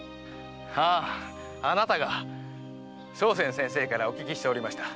あああなたが笙船先生からお聞きしておりました。